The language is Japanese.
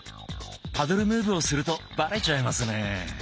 パドル・ムーブをするとバレちゃいますね。